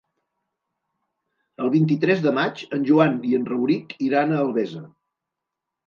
El vint-i-tres de maig en Joan i en Rauric iran a Albesa.